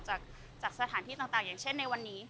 จากสถานที่ต่างอย่างเช่นในวันนี้